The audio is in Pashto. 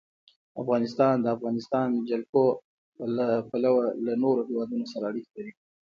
افغانستان د د افغانستان جلکو له پلوه له نورو هېوادونو سره اړیکې لري.